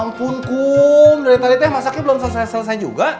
ya ampun kum dari tadi teh masaknya belum selesai juga